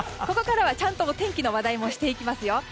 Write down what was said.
ここからは、ちゃんとお天気の話題もしていきますよ。